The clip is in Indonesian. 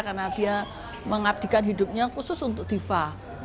karena dia mengabdikan hidupnya khusus untuk diva